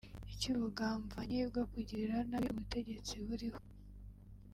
icy’ubugamvanyi bwo kugirira nabi ubutegetsi buriho